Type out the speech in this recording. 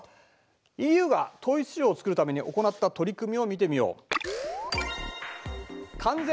ＥＵが統一市場を作るために行った取り組みを見てみよう。